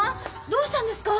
どうしたんですか？